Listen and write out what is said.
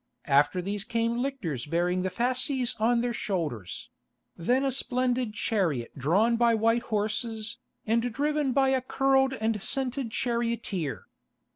After these came lictors bearing the fasces on their shoulders; then a splendid chariot drawn by white horses, and driven by a curled and scented charioteer.